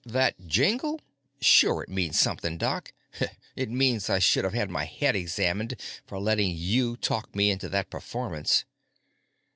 "That jingle? Sure it means something, Doc. It means I should have had my head examined for letting you talk me into that performance."